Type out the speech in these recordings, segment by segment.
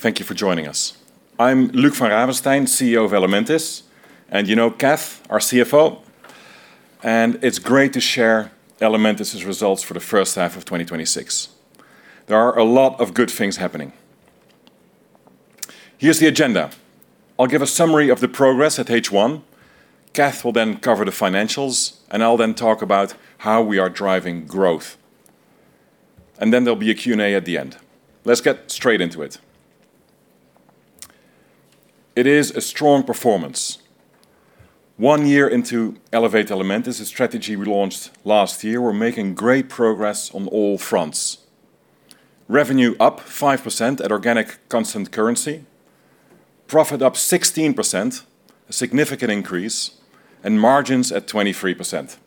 Thank you for joining us. I'm Luc van Ravenstein, CEO of Elementis, and you know Kath, our CFO. It's great to share Elementis' results for the first half of 2026. There are a lot of good things happening. Here's the agenda. I'll give a summary of the progress at H1. Kath will then cover the financials. I'll then talk about how we are driving growth. Then there'll be a Q&A at the end. Let's get straight into it. It is a strong performance. One year into Elevate Elementis, a strategy we launched last year, we're making great progress on all fronts. Revenue up 5% at organic constant currency, profit up 16%, a significant increase, and margins at 23%.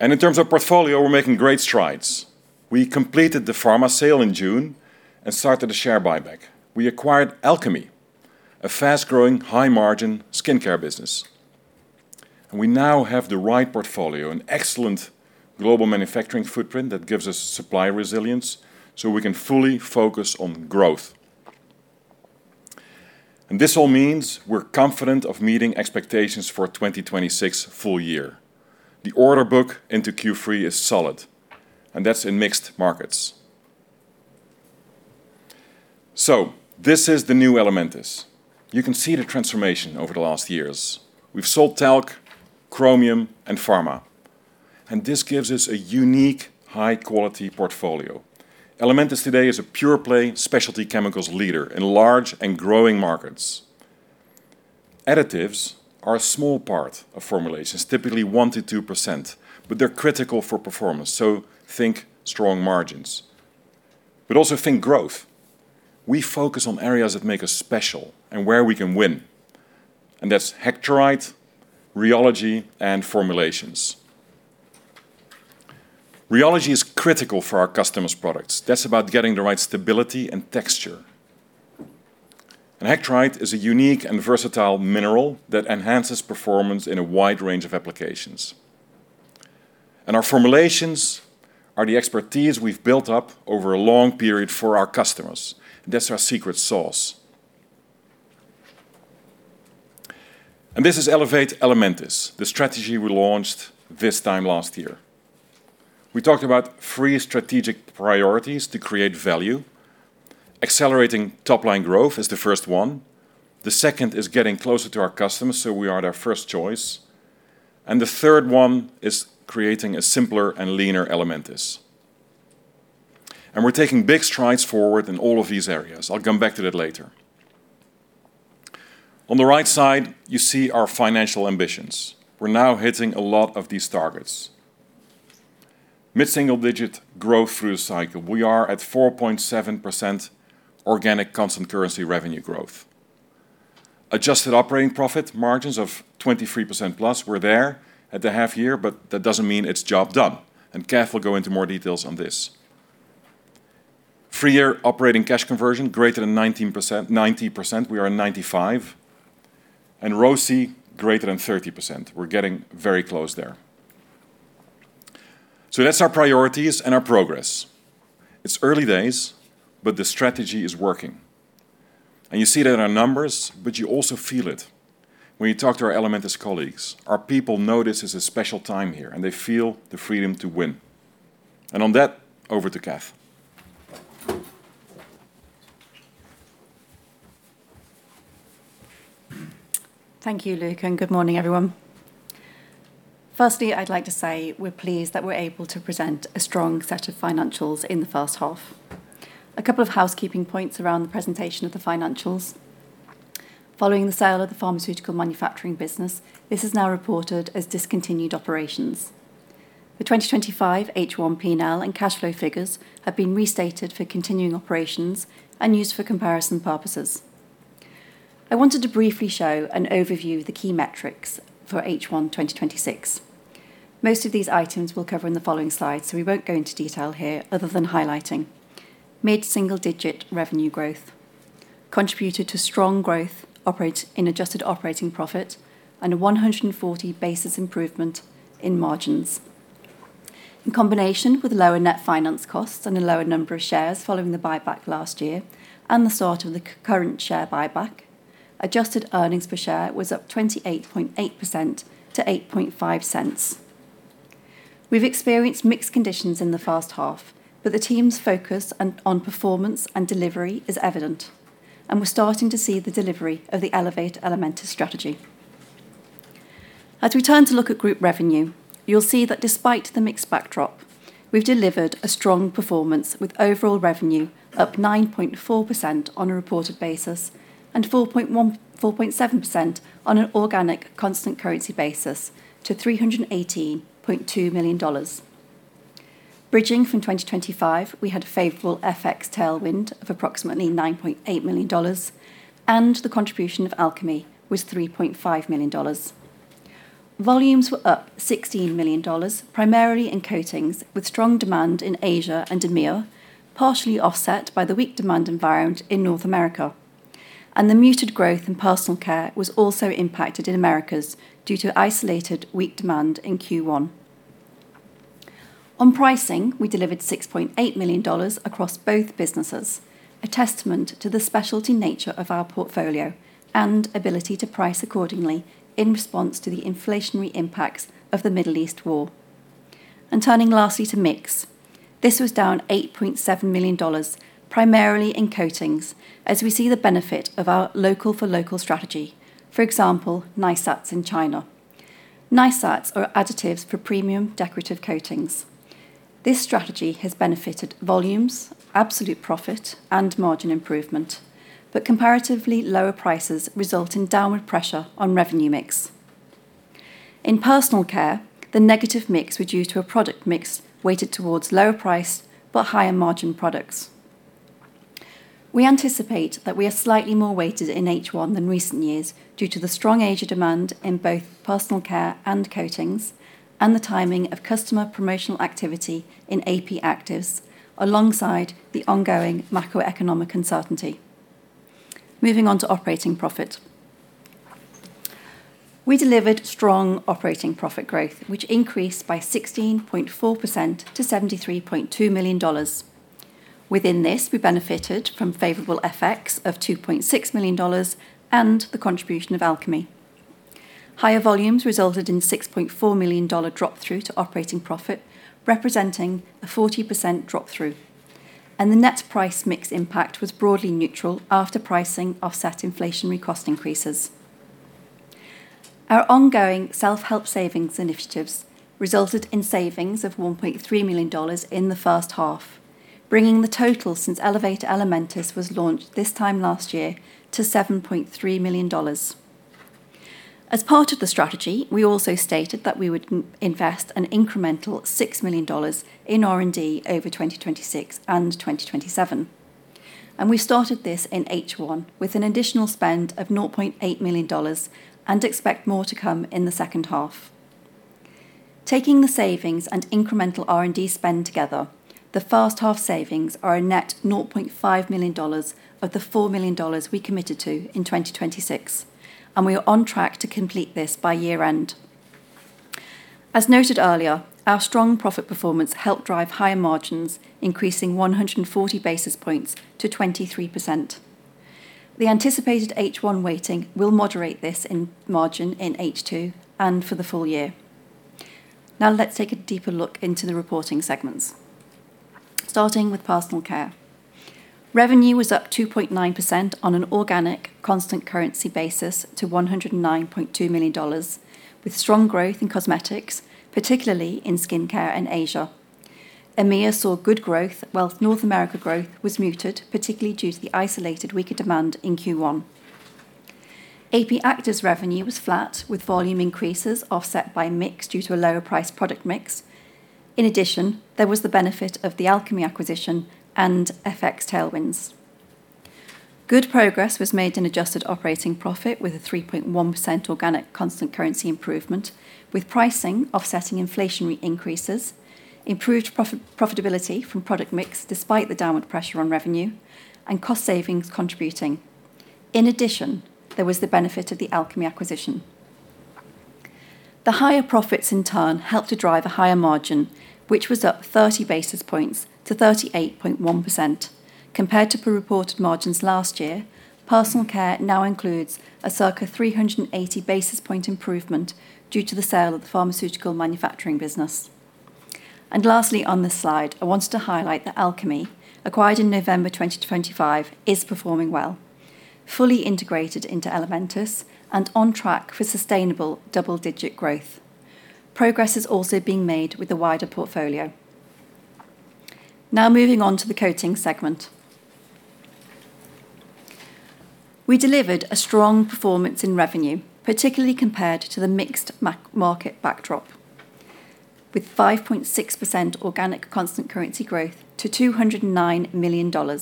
In terms of portfolio, we're making great strides. We completed the pharma sale in June and started a share buyback. We acquired Alchemy, a fast-growing, high-margin skincare business. We now have the right portfolio, an excellent global manufacturing footprint that gives us supply resilience, so we can fully focus on growth. This all means we're confident of meeting expectations for 2026 full year. The order book into Q3 is solid, and that's in mixed markets. This is the new Elementis. You can see the transformation over the last years. We've sold Talc, chromium, and pharma. This gives us a unique high-quality portfolio. Elementis today is a pure-play specialty chemicals leader in large and growing markets. Additives are a small part of formulations, typically one to 2%, but they're critical for performance. Think strong margins. Also think growth. We focus on areas that make us special and where we can win. That's hectorite, rheology, and formulations. Rheology is critical for our customers' products. That's about getting the right stability and texture. Hectorite is a unique and versatile mineral that enhances performance in a wide range of applications. Our formulations are the expertise we've built up over a long period for our customers. That's our secret sauce. This is Elevate Elementis, the strategy we launched this time last year. We talked about three strategic priorities to create value. Accelerating top line growth is the first one. The second is getting closer to our customers so we are their first choice. The third one is creating a simpler and leaner Elementis. We're taking big strides forward in all of these areas. I'll come back to that later. On the right side, you see our financial ambitions. We're now hitting a lot of these targets. Mid-single-digit growth through the cycle. We are at 4.7% organic constant currency revenue growth. Adjusted operating profit margins of 23%+. We're there at the half year, but that doesn't mean it's job done. Kath will go into more details on this. Three-year operating cash conversion greater than 90%. We are at 95%. ROCE greater than 30%. We're getting very close there. That's our priorities and our progress. It's early days, but the strategy is working. You see that in our numbers, but you also feel it when you talk to our Elementis colleagues. Our people know this is a special time here, and they feel the freedom to win. On that, over to Kath. Thank you, Luc, and good morning, everyone. Firstly, I'd like to say we're pleased that we're able to present a strong set of financials in the first half. A couple of housekeeping points around the presentation of the financials. Following the sale of the pharmaceutical manufacturing business, this is now reported as discontinued operations. The 2025 H1 P&L and cash flow figures have been restated for continuing operations and used for comparison purposes. I wanted to briefly show and overview the key metrics for H1 2026. Most of these items we'll cover in the following slides, so we won't go into detail here other than highlighting. Mid-single-digit revenue growth contributed to strong growth in adjusted operating profit and a 140-basis improvement in margins. In combination with lower net finance costs and a lower number of shares following the buyback last year and the start of the current share buyback, adjusted earnings per share was up 28.8% to $0.085. We've experienced mixed conditions in the first half, but the team's focus on performance and delivery is evident, and we're starting to see the delivery of the Elevate Elementis strategy. As we turn to look at group revenue, you'll see that despite the mixed backdrop, we've delivered a strong performance with overall revenue up 9.4% on a reported basis and 4.7% on an organic constant currency basis to $318.2 million. Bridging from 2025, we had a favorable FX tailwind of approximately $9.8 million. The contribution of Alchemy was $3.5 million. Volumes were up $16 million, primarily in coatings, with strong demand in Asia and EMEA, partially offset by the weak demand environment in North America. The muted growth in personal care was also impacted in Americas due to isolated weak demand in Q1. On pricing, we delivered $6.8 million across both businesses, a testament to the specialty nature of our portfolio and ability to price accordingly in response to the inflationary impacts of the Middle East war. Turning lastly to mix. This was down $8.7 million, primarily in coatings, as we see the benefit of our local-for-local strategy. For example, NiSAT in China. NiSAT are additives for premium decorative coatings. This strategy has benefited volumes, absolute profit, and margin improvement, but comparatively lower prices result in downward pressure on revenue mix. In personal care, the negative mix was due to a product mix weighted towards lower price but higher margin products. We anticipate that we are slightly more weighted in H1 than recent years due to the strong Asia demand in both personal care and coatings, and the timing of customer promotional activity in AP Actives alongside the ongoing macroeconomic uncertainty. Moving on to operating profit. We delivered strong operating profit growth, which increased by 16.4% to $73.2 million. Within this, we benefited from favorable FX of $2.6 million and the contribution of Alchemy. Higher volumes resulted in $6.4 million drop-through to operating profit, representing a 40% drop-through. The net price mix impact was broadly neutral after pricing offset inflationary cost increases. Our ongoing self-help savings initiatives resulted in savings of $1.3 million in the first half, bringing the total since Elevate Elementis was launched this time last year to $7.3 million. As part of the strategy, we also stated that we would invest an incremental $6 million in R&D over 2026 and 2027. We started this in H1 with an additional spend of $0.8 million and expect more to come in the second half. Taking the savings and incremental R&D spend together, the first half savings are a net $0.5 million of the $4 million we committed to in 2026. We are on track to complete this by year-end. As noted earlier, our strong profit performance helped drive higher margins, increasing 140 basis points to 23%. The anticipated H1 weighting will moderate this margin in H2 and for the full year. Now let's take a deeper look into the reporting segments. Starting with personal care. Revenue was up 2.9% on an organic constant currency basis to $109.2 million, with strong growth in cosmetics, particularly in skincare in Asia. EMEA saw good growth, whilst North America growth was muted, particularly due to the isolated weaker demand in Q1. AP Actives revenue was flat, with volume increases offset by mix due to a lower price product mix. In addition, there was the benefit of the Alchemy acquisition and FX tailwinds. Good progress was made in adjusted operating profit, with a 3.1% organic constant currency improvement, with pricing offsetting inflationary increases, improved profitability from product mix despite the downward pressure on revenue, and cost savings contributing. In addition, there was the benefit of the Alchemy acquisition. The higher profits in turn helped to drive a higher margin, which was up 30 basis points to 38.1%. Compared to the reported margins last year, personal care now includes a circa 380 basis point improvement due to the sale of the pharmaceutical manufacturing business. Lastly, on this slide, I wanted to highlight that Alchemy, acquired in November 2025, is performing well, fully integrated into Elementis, and on track for sustainable double-digit growth. Progress is also being made with the wider portfolio. Now moving on to the coatings segment. We delivered a strong performance in revenue, particularly compared to the mixed market backdrop, with 5.6% organic constant currency growth to $209 million.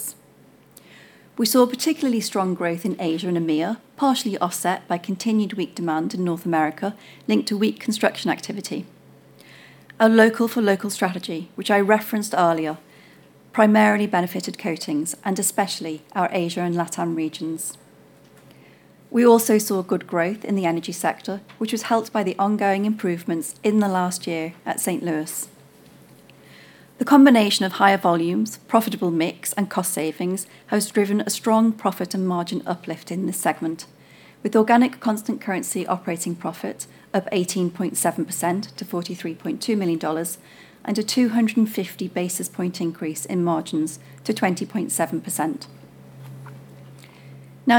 We saw particularly strong growth in Asia and EMEA, partially offset by continued weak demand in North America, linked to weak construction activity. Our local-for-local strategy, which I referenced earlier, primarily benefited coatings and especially our Asia and LATAM regions. We also saw good growth in the energy sector, which was helped by the ongoing improvements in the last year at St. Louis. The combination of higher volumes, profitable mix, and cost savings has driven a strong profit and margin uplift in this segment. With organic constant currency operating profit up 18.7% to $43.2 million and a 250 basis point increase in margins to 20.7%.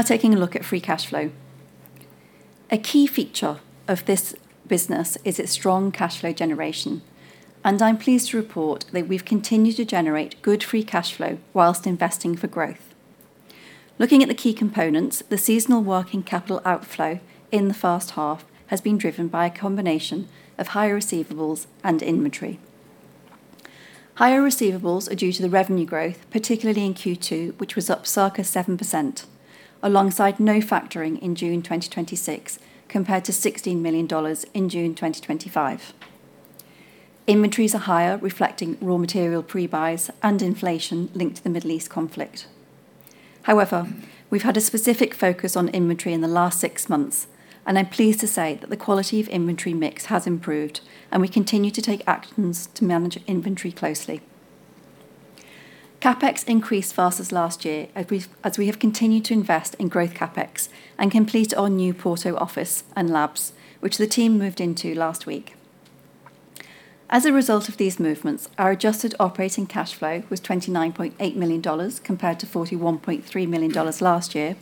Taking a look at free cash flow. A key feature of this business is its strong cash flow generation, and I'm pleased to report that we've continued to generate good free cash flow whilst investing for growth. Looking at the key components, the seasonal working capital outflow in the first half has been driven by a combination of higher receivables and inventory. Higher receivables are due to the revenue growth, particularly in Q2, which was up circa 7%, alongside no factoring in June 2026 compared to $16 million in June 2025. Inventories are higher, reflecting raw material pre-buys and inflation linked to the Middle East conflict. We've had a specific focus on inventory in the last six months, and I'm pleased to say that the quality of inventory mix has improved, and we continue to take actions to manage inventory closely. CapEx increased fastest last year as we have continued to invest in growth CapEx and complete our new Porto office and labs, which the team moved into last week. As a result of these movements, our adjusted operating cash flow was $29.8 million compared to $41.3 million last year.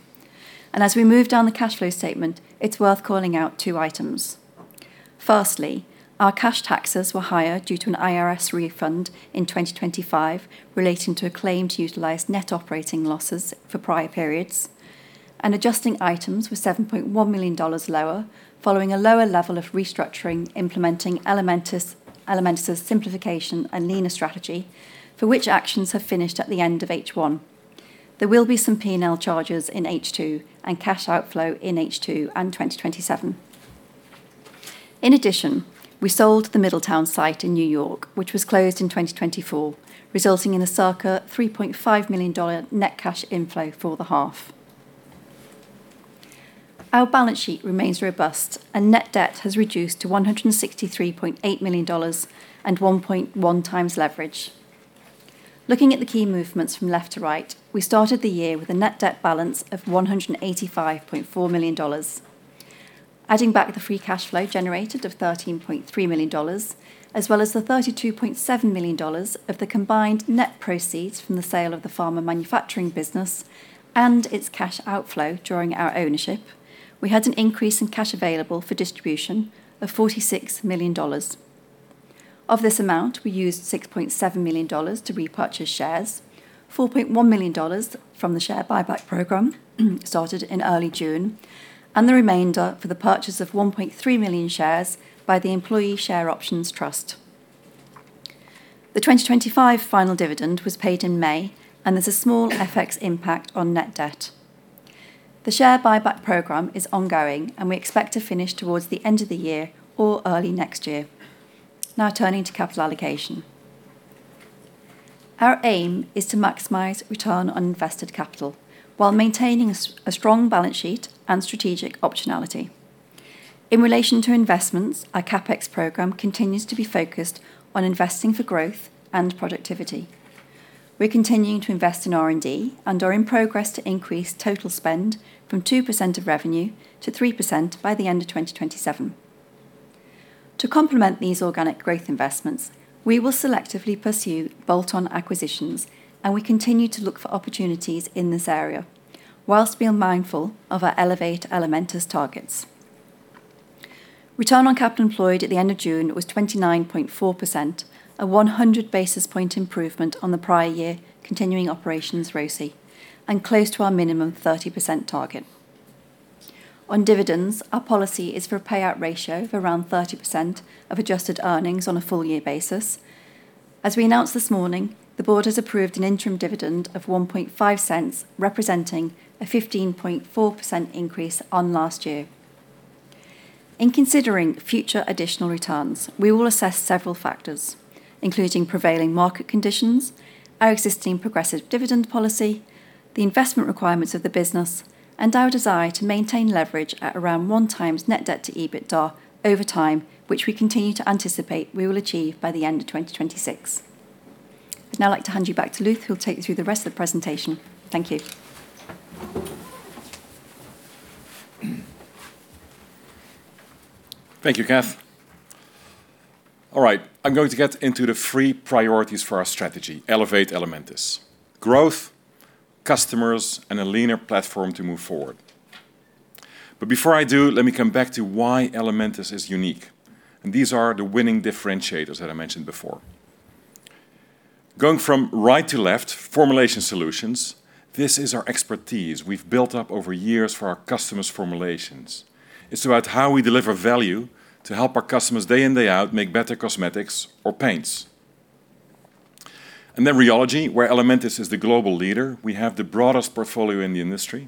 As we move down the cash flow statement, it's worth calling out two items. Firstly, our cash taxes were higher due to an IRS refund in 2025 relating to a claim to utilize net operating losses for prior periods. Adjusting items were $7.1 million lower following a lower level of restructuring, implementing Elementis' simplification and leaner strategy, for which actions have finished at the end of H1. There will be some P&L charges in H2 and cash outflow in H2 and 2027. In addition, we sold the Middletown site in N.Y., which was closed in 2024, resulting in a circa $3.5 million net cash inflow for the half. Our balance sheet remains robust, and net debt has reduced to $163.8 million and 1.1x leverage. Looking at the key movements from left to right, we started the year with a net debt balance of $185.4 million. Adding back the free cash flow generated of $13.3 million, as well as the $32.7 million of the combined net proceeds from the sale of the pharma manufacturing business and its cash outflow during our ownership, we had an increase in cash available for distribution of $46 million. Of this amount, we used $6.7 million to repurchase shares, $4.1 million from the share buyback program started in early June, and the remainder for the purchase of 1.3 million shares by the employee share options trust. The 2025 final dividend was paid in May, and there's a small FX impact on net debt. The share buyback program is ongoing, and we expect to finish towards the end of the year or early next year. Turning to capital allocation. Our aim is to maximize return on invested capital while maintaining a strong balance sheet and strategic optionality. In relation to investments, our CapEx program continues to be focused on investing for growth and productivity. We're continuing to invest in R&D and are in progress to increase total spend from 2% of revenue to 3% by the end of 2027. To complement these organic growth investments, we will selectively pursue bolt-on acquisitions, and we continue to look for opportunities in this area whilst being mindful of our Elevate Elementis targets. Return on capital employed at the end of June was 29.4%, a 100 basis point improvement on the prior year continuing operations ROCE and close to our minimum 30% target. On dividends, our policy is for a payout ratio of around 30% of adjusted earnings on a full year basis. As we announced this morning, the board has approved an interim dividend of $0.015, representing a 15.4% increase on last year. In considering future additional returns, we will assess several factors, including prevailing market conditions, our existing progressive dividend policy, the investment requirements of the business, and our desire to maintain leverage at around one times net debt to EBITDA over time, which we continue to anticipate we will achieve by the end of 2026. I'd now like to hand you back to Luc, who'll take you through the rest of the presentation. Thank you. Thank you, Kath. All right. I'm going to get into the three priorities for our strategy, Elevate Elementis. Growth, customers, and a leaner platform to move forward. Before I do, let me come back to why Elementis is unique, and these are the winning differentiators that I mentioned before. Going from right to left, formulation solutions. This is our expertise we've built up over years for our customers' formulations. It's about how we deliver value to help our customers day in, day out, make better cosmetics or paints. Then rheology, where Elementis is the global leader. We have the broadest portfolio in the industry.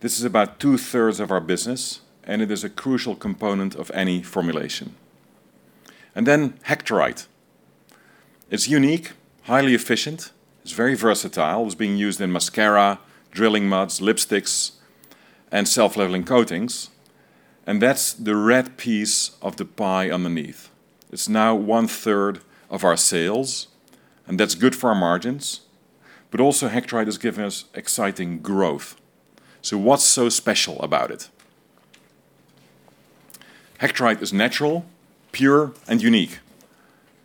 This is about 2/3 of our business, and it is a crucial component of any formulation. Then Hectorite. It's unique, highly efficient. It's very versatile. It's being used in mascara, drilling muds, lipsticks, and self-leveling coatings. That's the red piece of the pie underneath. It's now one-third of our sales, and that's good for our margins. Also Hectorite has given us exciting growth. What's so special about it? Hectorite is natural, pure, and unique.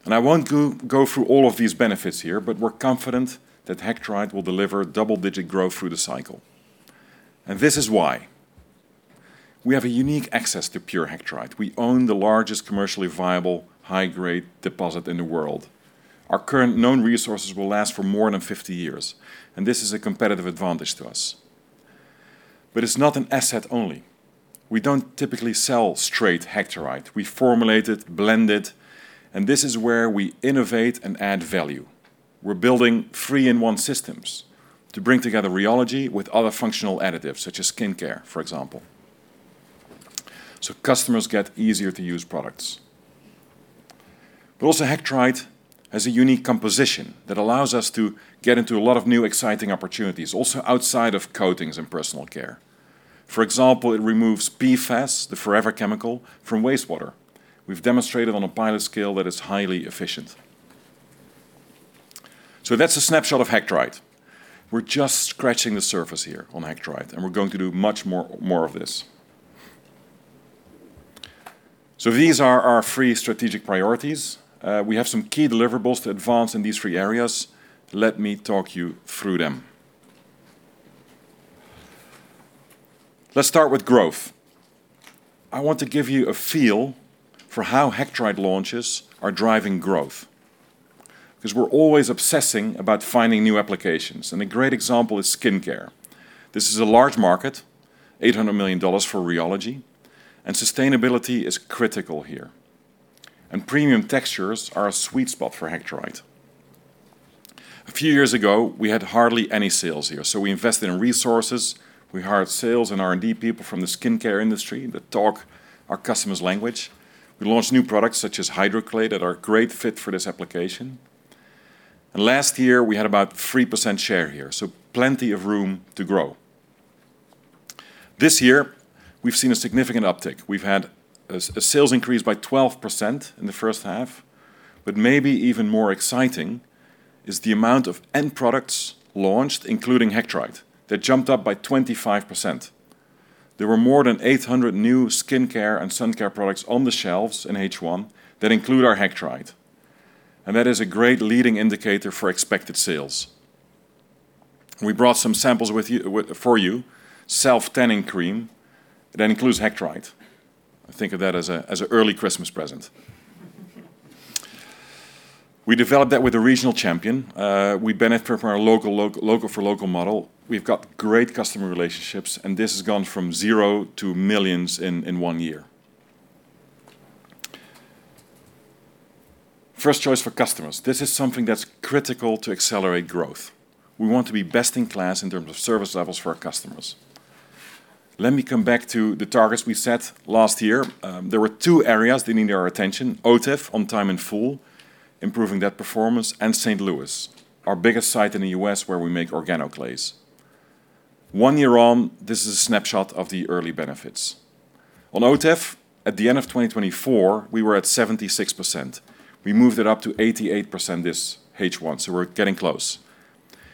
I won't go through all of these benefits here, but we're confident that Hectorite will deliver double-digit growth through the cycle. This is why. We have a unique access to pure Hectorite. We own the largest commercially viable, high-grade deposit in the world. Our current known resources will last for more than 50 years, and this is a competitive advantage to us. But it's not an asset only. We don't typically sell straight Hectorite. We formulate it, blend it, and this is where we innovate and add value. We're building three-in-one systems to bring together rheology with other functional additives, such as skincare, for example. Customers get easier-to-use products. Also Hectorite has a unique composition that allows us to get into a lot of new exciting opportunities, also outside of coatings and personal care. For example, it removes PFAS, the forever chemical, from wastewater. We've demonstrated on a pilot scale that it's highly efficient. That's a snapshot of Hectorite. We're just scratching the surface here on Hectorite, we're going to do much more of this. These are our three strategic priorities. We have some key deliverables to advance in these three areas. Let me talk you through them. Let's start with growth. I want to give you a feel for how Hectorite launches are driving growth, because we're always obsessing about finding new applications, and a great example is skincare. This is a large market, $800 million for rheology, and sustainability is critical here. Premium textures are a sweet spot for Hectorite. A few years ago, we had hardly any sales here, so we invested in resources. We hired sales and R&D people from the skincare industry that talk our customer's language. We launched new products such as Hydroclay that are a great fit for this application. Last year we had about 3% share here, so plenty of room to grow. This year we've seen a significant uptick. We've had a sales increase by 12% in the first half, but maybe even more exciting is the amount of end products launched, including Hectorite, that jumped up by 25%. There were more than 800 new skincare and sun care products on the shelves in H1 that include our Hectorite, and that is a great leading indicator for expected sales. We brought some samples for you, self-tanning cream that includes Hectorite. Think of that as an early Christmas present. We developed that with a regional champion. We benefit from our local-for-local model. We've got great customer relationships, and this has gone from zero to millions in one year. First choice for customers. This is something that's critical to accelerate growth. We want to be best in class in terms of service levels for our customers. Let me come back to the targets we set last year. There were two areas that needed our attention, OTIF, on time and in full, improving that performance, and St. Louis, our biggest site in the U.S. where we make organoclays. One year on, this is a snapshot of the early benefits. On OTIF, at the end of 2024, we were at 76%. We moved it up to 88% this H1, so we're getting close.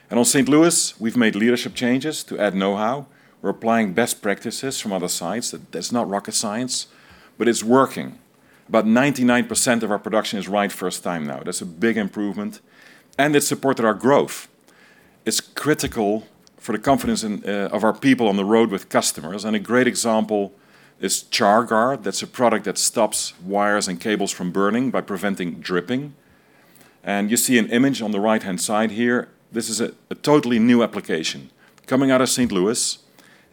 On St. Louis, we've made leadership changes to add know-how. We're applying best practices from other sites. That's not rocket science, but it's working. About 99% of our production is right first time now. That's a big improvement, and it supported our growth. It's critical for the confidence of our people on the road with customers, and a great example is CHARGUARD. That's a product that stops wires and cables from burning by preventing dripping. You see an image on the right-hand side here. This is a totally new application coming out of St. Louis.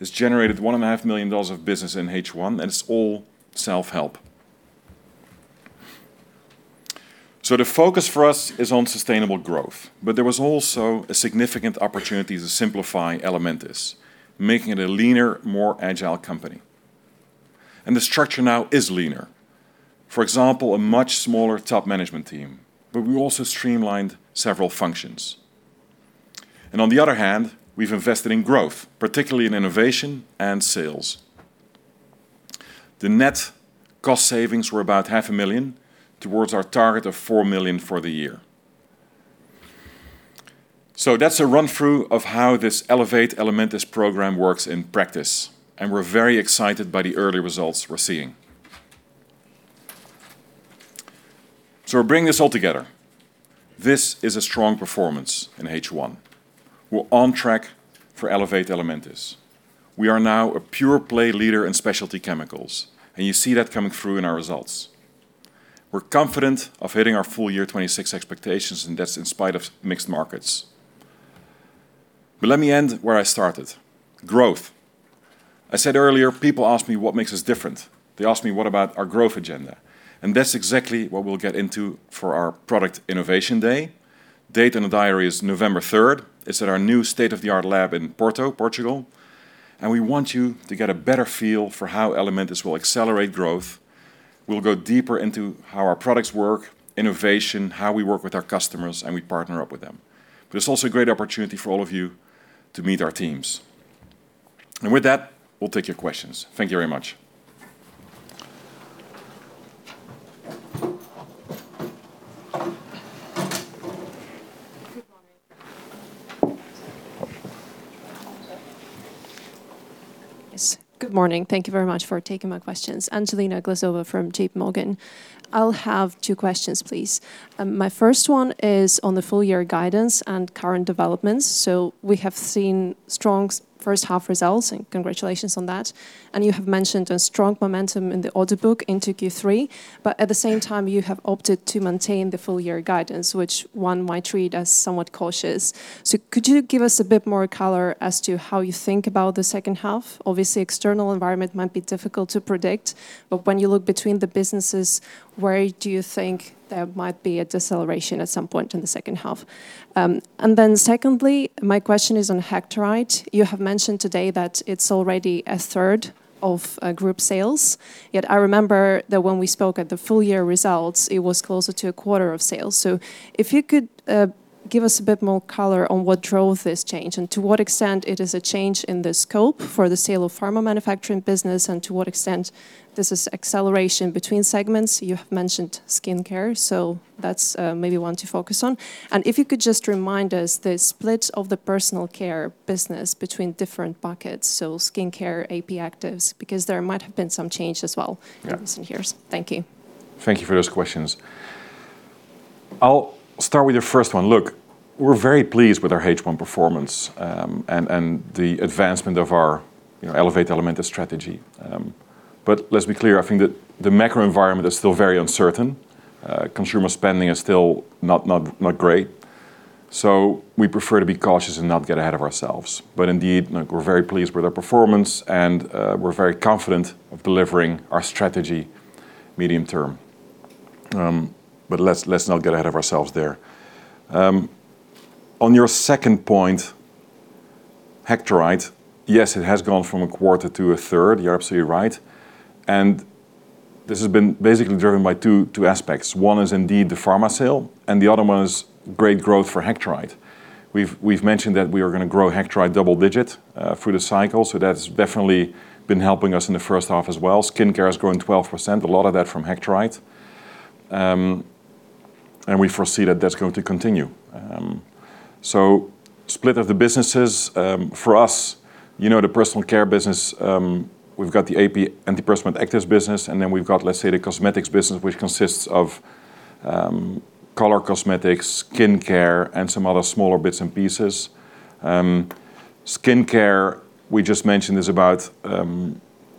It's generated $1.5 million of business in H1, and it's all self-help. The focus for us is on sustainable growth, but there was also a significant opportunity to simplify Elementis, making it a leaner, more agile company. The structure now is leaner. For example, a much smaller top management team, but we also streamlined several functions. On the other hand, we've invested in growth, particularly in innovation and sales. The net cost savings were about half a million towards our target of $4 million for the year. That's a run-through of how this Elevate Elementis program works in practice, and we're very excited by the early results we're seeing. We're bringing this all together. This is a strong performance in H1. We're on track for Elevate Elementis. We are now a pure-play leader in specialty chemicals, and you see that coming through in our results. We're confident of hitting our full year 2026 expectations, and that's in spite of mixed markets. Let me end where I started: growth. I said earlier, people ask me what makes us different. They ask me what about our growth agenda? That's exactly what we'll get into for our product innovation day. Date in the diary is November 3rd. It's at our new state-of-the-art lab in Porto, Portugal. We want you to get a better feel for how Elementis will accelerate growth. We'll go deeper into how our products work, innovation, how we work with our customers. We partner up with them. It's also a great opportunity for all of you to meet our teams. With that, we'll take your questions. Thank you very much. Good morning. Thank you very much for taking my questions. Angelina Glazova from JPMorgan. I'll have two questions, please. My first one is on the full-year guidance and current developments. We have seen strong first half results. Congratulations on that. You have mentioned a strong momentum in the order book into Q3. At the same time, you have opted to maintain the full-year guidance, which one might read as somewhat cautious. Could you give us a bit more color as to how you think about the second half? Obviously, external environment might be difficult to predict, but when you look between the businesses, where do you think there might be a deceleration at some point in the second half? Then secondly, my question is on Hectorite. You have mentioned today that it's already a third of group sales, yet I remember that when we spoke at the full year results, it was closer to a quarter of sales. If you could give us a bit more color on what drove this change and to what extent it is a change in the scope for the sale of pharma manufacturing business, and to what extent this is acceleration between segments. You have mentioned skincare, so that's maybe one to focus on. If you could just remind us the split of the personal care business between different buckets, so skincare, AP Actives, because there might have been some change as well in recent years. Thank you. Thank you for those questions. I'll start with your first one. Look, we're very pleased with our H1 performance, and the advancement of our Elevate Elementis strategy. Let's be clear, I think that the macro environment is still very uncertain. Consumer spending is still not great. We prefer to be cautious and not get ahead of ourselves. Indeed, look, we're very pleased with our performance and we're very confident of delivering our strategy medium term. Let's not get ahead of ourselves there. On your second point, Hectorite. Yes, it has gone from a quarter to a third. You're absolutely right. This has been basically driven by two aspects. One is indeed the pharma sale, and the other one is great growth for Hectorite. We've mentioned that we are going to grow Hectorite double digits through the cycle. That's definitely been helping us in the first half as well. Skincare has grown 12%, a lot of that from Hectorite. We foresee that that's going to continue. Split of the businesses, for us, the personal care business, we've got the AP, anti-perspirant actives business, and then we've got, let's say, the cosmetics business, which consists of color cosmetics, skincare, and some other smaller bits and pieces. Skincare, we just mentioned,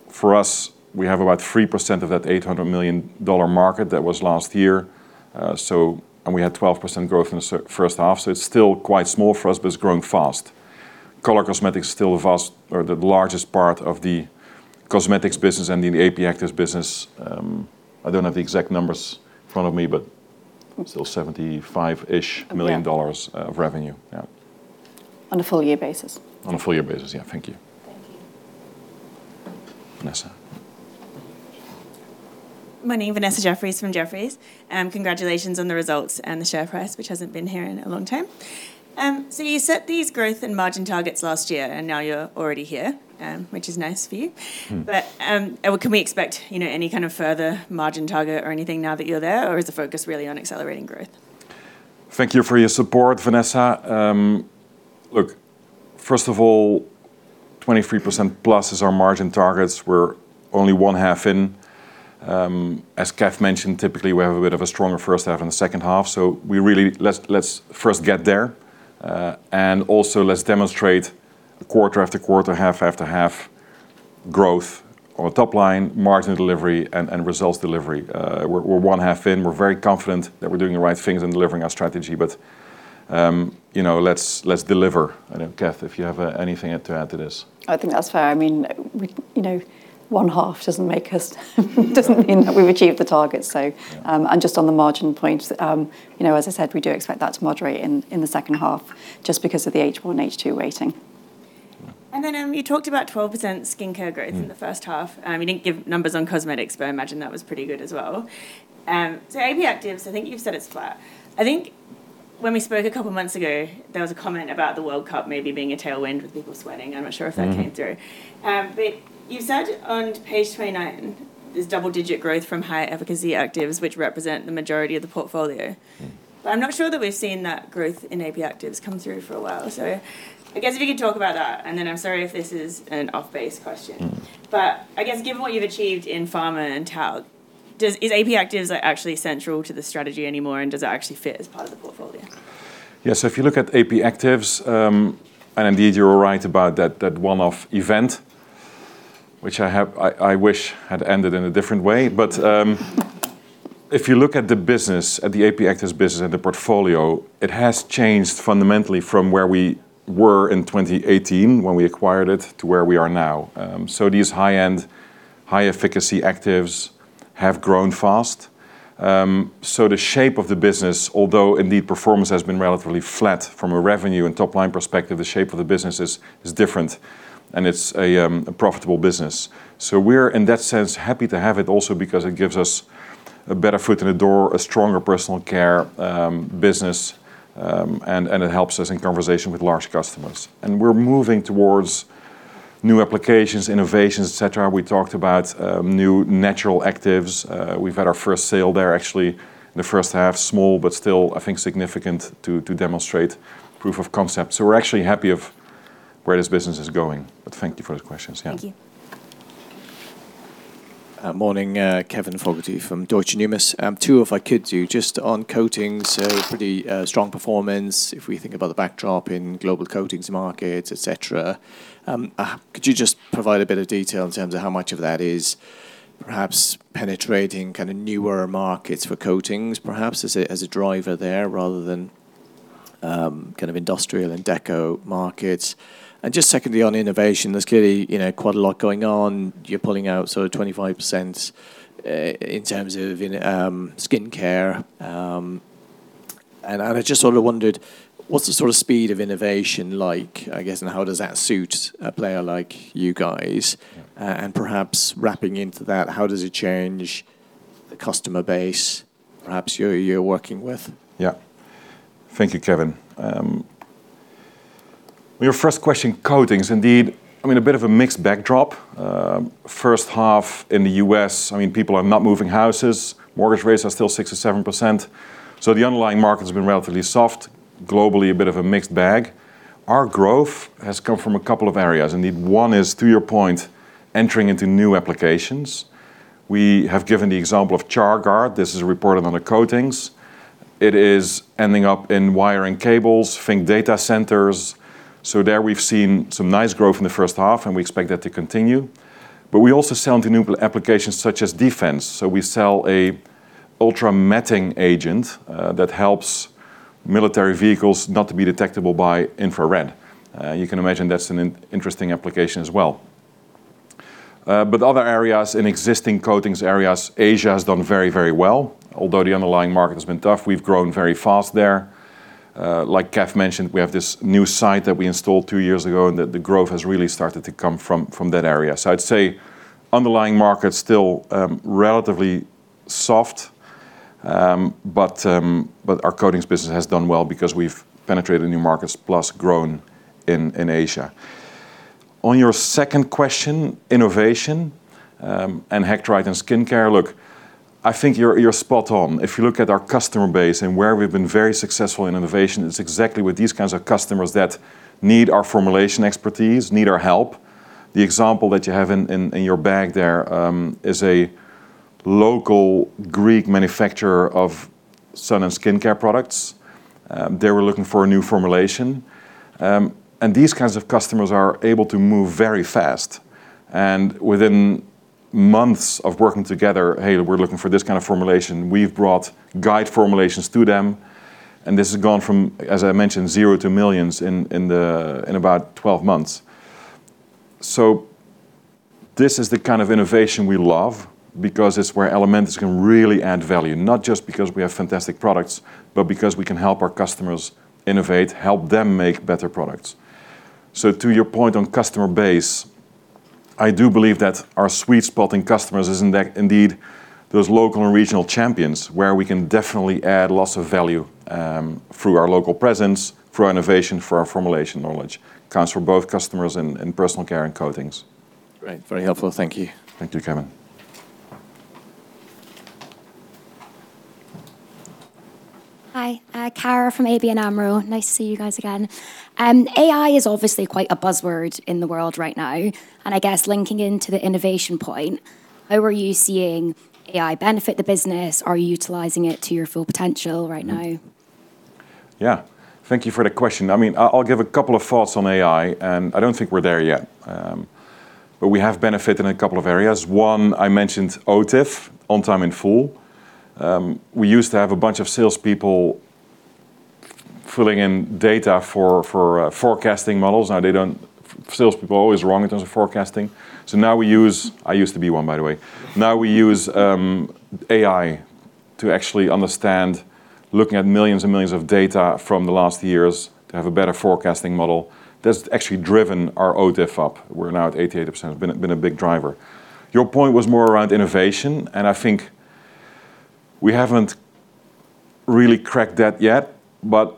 for us, we have about 3% of that $800 million market that was last year. We had 12% growth in the first half, so it's still quite small for us, but it's growing fast. Color cosmetics still the largest part of the cosmetics business and the AP actives business. I don't have the exact numbers in front of me, but still $75-ish million of revenue, yeah. On a full year basis? On a full year basis, yeah. Thank you. Thank you. Vanessa. My name, Vanessa Jeffriess from Jefferies. Congratulations on the results and the share price, which hasn't been here in a long time. You set these growth and margin targets last year, and now you're already here, which is nice for you. Can we expect any kind of further margin target or anything now that you're there, or is the focus really on accelerating growth? Thank you for your support, Vanessa. Look, first of all, 23%+ is our margin targets. We're only one half in. As Kath mentioned, typically, we have a bit of a stronger first half than the second half. Let's first get there. Let's demonstrate quarter after quarter, half after half growth on top line margin delivery and results delivery. We're one half in. We're very confident that we're doing the right things and delivering our strategy. Let's deliver. I don't know, Kath, if you have anything to add to this? I think that's fair. One half doesn't mean that we've achieved the target. Just on the margin points, as I said, we do expect that to moderate in the second half just because of the H1 and H2 weighting. You talked about 12% skincare growth in the first half. You didn't give numbers on cosmetics, but I imagine that was pretty good as well. AP Actives, I think you've said it's flat. I think when we spoke a couple of months ago, there was a comment about the World Cup maybe being a tailwind with people sweating. I'm not sure if that came through. You said on page 29, there's double-digit growth from high efficacy actives, which represent the majority of the portfolio. I'm not sure that we've seen that growth in AP Actives come through for a while. I guess if you could talk about that, and then I'm sorry if this is an off-base question. I guess given what you've achieved in pharma and Talc, is AP Actives actually central to the strategy anymore, and does it actually fit as part of the portfolio? If you look at AP Actives, and indeed you're right about that one-off event, which I wish had ended in a different way, but if you look at the business, at the AP Actives business and the portfolio, it has changed fundamentally from where we were in 2018 when we acquired it to where we are now. These high-end, high-efficacy actives have grown fast. The shape of the business, although indeed performance has been relatively flat from a revenue and top-line perspective, the shape of the business is different, and it's a profitable business. We're, in that sense, happy to have it also because it gives us a better foot in the door, a stronger personal care business, and it helps us in conversation with large customers. We're moving towards new applications, innovations, et cetera. We talked about new natural actives. We've had our first sale there, actually, in the first half. Small, but still, I think, significant to demonstrate proof of concept. We're actually happy of where this business is going. Thank you for the questions. Thank you. Morning, Kevin Fogarty from Deutsche Numis. Two if I could do. Just on coatings, pretty strong performance if we think about the backdrop in global coatings markets, et cetera. Could you just provide a bit of detail in terms of how much of that is perhaps penetrating newer markets for coatings, perhaps as a driver there rather than industrial and deco markets? Secondly, on innovation, there's clearly quite a lot going on. You're pulling out 25% in terms of skin care. I just wondered what's the speed of innovation like, I guess, and how does that suit a player like you guys? Perhaps wrapping into that, how does it change the customer base perhaps you're working with? Thank you, Kevin. Your first question, coatings indeed. I mean, a bit of a mixed backdrop. First half in the U.S., people are not moving houses. Mortgage rates are still 6% to 7%, so the underlying market has been relatively soft. Globally, a bit of a mixed bag. Our growth has come from a couple of areas. Indeed, one is, to your point, entering into new applications. We have given the example of CHARGUARD. This is reported under coatings. It is ending up in wiring cables, think data centers. There we've seen some nice growth in the first half, and we expect that to continue. We also sell to new applications such as defense. We sell a ultra matting agent that helps military vehicles not to be detectable by infrared. You can imagine that's an interesting application as well. Other areas in existing coatings areas, Asia has done very well. Although the underlying market has been tough, we've grown very fast there. Like Kath mentioned, we have this new site that we installed two years ago, and the growth has really started to come from that area. I'd say underlying market's still relatively soft, but our coatings business has done well because we've penetrated new markets plus grown in Asia. On your second question, innovation and Hectorite and skin care. Look, I think you're spot on. If you look at our customer base and where we've been very successful in innovation, it's exactly with these kinds of customers that need our formulation expertise, need our help. The example that you have in your bag there is a local Greek manufacturer of sun and skin care products. They were looking for a new formulation. These kinds of customers are able to move very fast. Within months of working together, "Hey, we're looking for this kind of formulation," we've brought guide formulations to them, and this has gone from, as I mentioned, zero to millions in about 12 months. This is the kind of innovation we love because it's where Elementis can really add value. Not just because we have fantastic products, but because we can help our customers innovate, help them make better products. To your point on customer base, I do believe that our sweet spot in customers is in that indeed those local and regional champions, where we can definitely add lots of value through our local presence, through our innovation, through our formulation knowledge. Counts for both customers and personal care and coatings. Great. Very helpful. Thank you. Thank you, Kevin. Hi, Cara from ABN AMRO. Nice to see you guys again. AI is obviously quite a buzzword in the world right now. I guess linking into the innovation point, how are you seeing AI benefit the business? Are you utilizing it to your full potential right now? Yeah. Thank you for the question. I'll give a couple of thoughts on AI. I don't think we're there yet, but we have benefited in a couple of areas. One, I mentioned OTIF, on time in full. We used to have a bunch of salespeople filling in data for forecasting models. Salespeople are always wrong in terms of forecasting. I used to be one, by the way. Now we use AI to actually understand looking at millions and millions of data from the last years to have a better forecasting model. That's actually driven our OTIF up. We're now at 88%. Been a big driver. Your point was more around innovation. I think we haven't really cracked that yet, but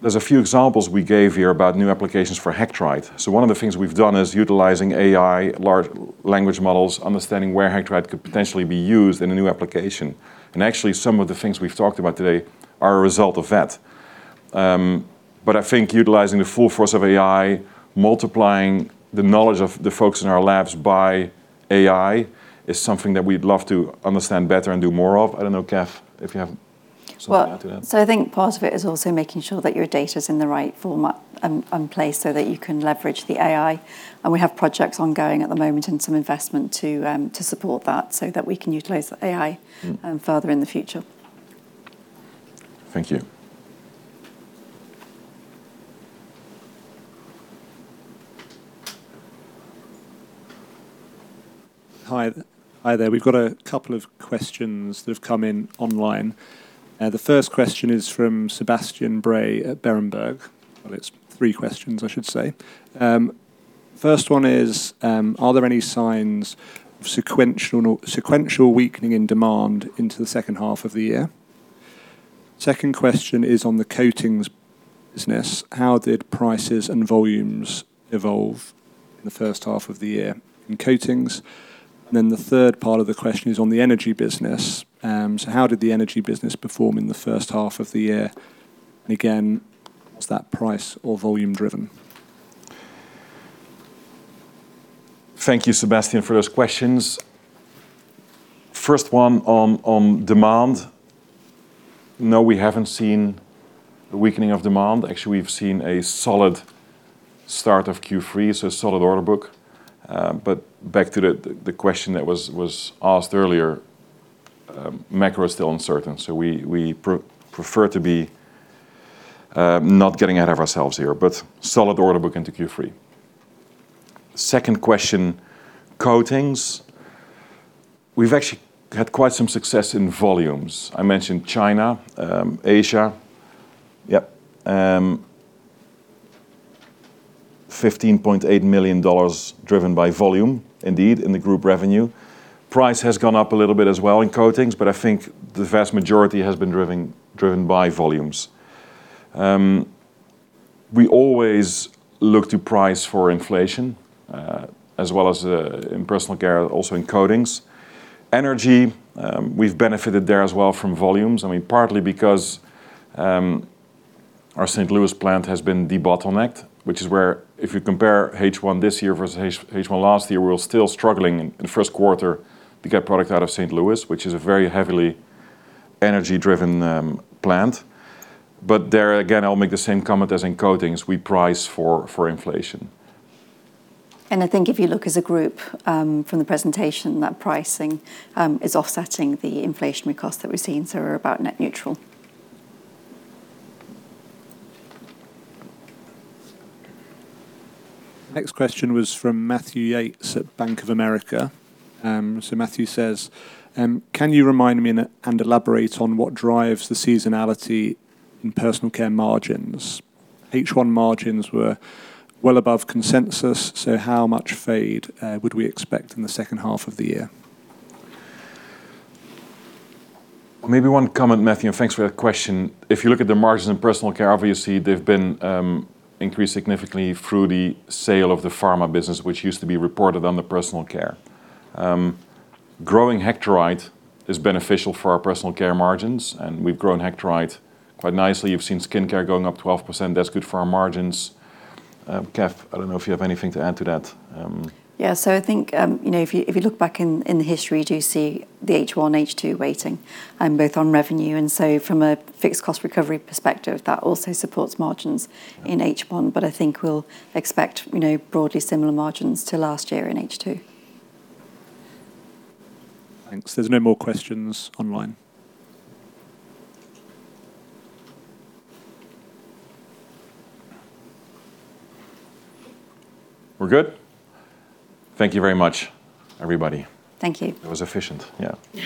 there's a few examples we gave here about new applications for Hectorite. One of the things we've done is utilizing AI, large language models, understanding where Hectorite could potentially be used in a new application. Actually, some of the things we've talked about today are a result of that. I think utilizing the full force of AI, multiplying the knowledge of the folks in our labs by AI is something that we'd love to understand better and do more of. I don't know, Kath, if you have something to add to that. Well, I think part of it is also making sure that your data's in the right format and place so that you can leverage the AI. We have projects ongoing at the moment and some investment to support that so that we can utilize the AI further in the future. Thank you. Hi there. We've got a couple of questions that have come in online. The first question is from Sebastian Bray at Berenberg. Well, it's three questions, I should say. First one is, are there any signs of sequential weakening in demand into the second half of the year? Second question is on the coatings business. How did prices and volumes evolve in the first half of the year in coatings? The third part of the question is on the energy business. How did the energy business perform in the first half of the year? Again, is that price or volume driven? Thank you, Sebastian, for those questions. First one on demand. No, we haven't seen a weakening of demand. Actually, we've seen a solid start of Q3, a solid order book. Back to the question that was asked earlier, macro is still uncertain, we prefer to not get ahead of ourselves here, but solid order book into Q3. Second question, coatings. We've actually had quite some success in volumes. I mentioned China, Asia. Yep. $15.8 million driven by volume, indeed, in the group revenue. Price has gone up a little bit as well in coatings, but I think the vast majority has been driven by volumes. We always look to price for inflation, as well as in personal care, also in coatings. Energy, we've benefited there as well from volumes. Partly because our St. Louis plant has been debottlenecked, which is where if you compare H1 this year versus H1 last year, we're still struggling in the first quarter to get product out of St. Louis, which is a very heavily energy-driven plant. There again, I'll make the same comment as in coatings, we price for inflation. I think if you look as a group, from the presentation, that pricing is offsetting the inflationary cost that we've seen, we're about net neutral. Next question was from Matthew Yates at Bank of America. Matthew says, "Can you remind me and elaborate on what drives the seasonality in personal care margins? H1 margins were well above consensus, how much fade would we expect in the second half of the year? Maybe one comment, Matthew, thanks for that question. If you look at the margins in personal care, obviously, they've been increased significantly through the sale of the pharma business, which used to be reported under personal care. Growing Hectorite is beneficial for our personal care margins, we've grown Hectorite quite nicely. You've seen skincare going up 12%. That's good for our margins. Kath, I don't know if you have anything to add to that. Yeah. I think, if you look back in the history, you do see the H1, H2 weighting, both on revenue. From a fixed cost recovery perspective, that also supports margins in H1. I think we'll expect broadly similar margins to last year in H2. Thanks. There's no more questions online. We're good? Thank you very much, everybody. Thank you. That was efficient, yeah.